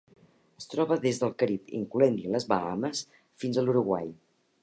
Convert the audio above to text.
Es troba des del Carib, incloent-hi les Bahames, fins a l'Uruguai.